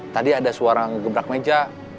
tadi ada suara ngegebrak meja